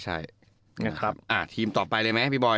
อ่าทีมต่อไปเลยมั้ยพี่บอย